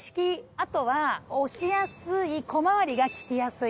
あとは押しやすい小回りが利きやすい。